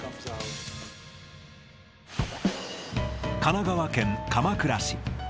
神奈川県鎌倉市。